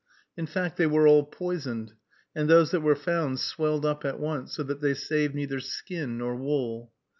In fact, they were all poisoned, and those that were found swelled up at once, so that they saved neither skin nor wool.